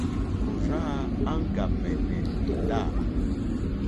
Ò rzáā áŋɡàmɛ̀nɛ̀ lìlâ.